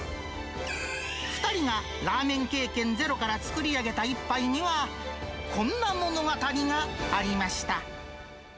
２人がラーメン経験ゼロから作り上げた一杯には、こんな物語がありました。